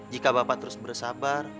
jika bapak terus bersabar